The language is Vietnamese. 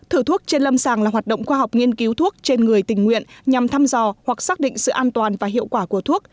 thử thuốc trên lâm sàng là hoạt động khoa học nghiên cứu thuốc trên người tình nguyện nhằm thăm dò hoặc xác định sự an toàn và hiệu quả của thuốc